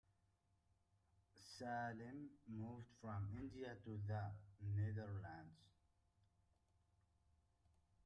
Salim moved from India to the Netherlands.